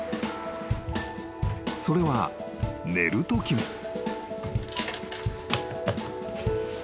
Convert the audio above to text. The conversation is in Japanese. ［それは寝るときも］